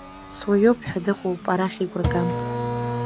Суаҩуп ҳәа дыҟоуп, арахь игәра гам!